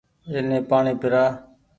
اني پآڻيٚ پيرآ